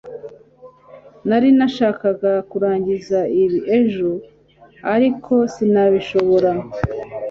Nari nashakaga kurangiza ibi ejo ariko sinabishobora